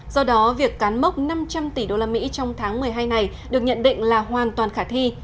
do đó việc cán mốc năm trăm linh tỷ đô la mỹ trong tháng một mươi hai này được nhận định là hoàn toàn khả thi